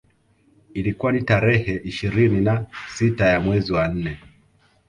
Ilikuwa ni tarehe ishirini na sita ya mwezi wa nne